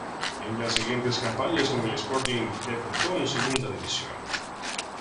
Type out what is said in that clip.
En las siguientes campañas con el Sporting debutó en Segunda División.